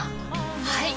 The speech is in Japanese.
はい！